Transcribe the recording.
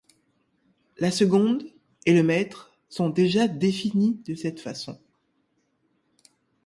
La seconde et le mètre sont déjà définis de cette façon.